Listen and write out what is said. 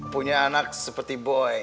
punya anak seperti boy